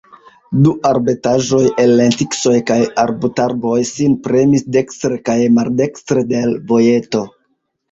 Du arbetaĵoj el lentiskoj kaj arbutarboj sin premis dekstre kaj maldekstre de l' vojeto.